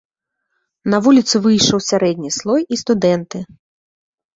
На вуліцы выйшаў сярэдні слой і студэнты.